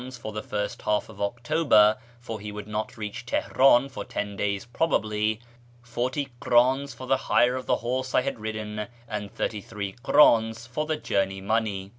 s for the first half of October (for he would not reach Teheran for ten days probably), forty krd7is for the hire of the horse I had ridden, and thirty three krdns for journey money.